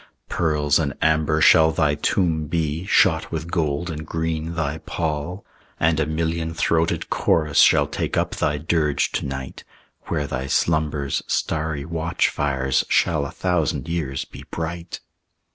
Pearls and amber shall thy tomb be; Shot with gold and green thy pall. "And a million throated chorus Shall take up thy dirge to night; Where thy slumber's starry watch fires Shall a thousand years be bright."